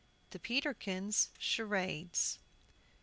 THE PETERKINS' CHARADES.